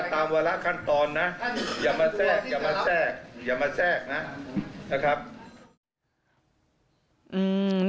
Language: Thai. อย่ามาแทรกอย่ามาแทรกอย่ามาแทรกนะ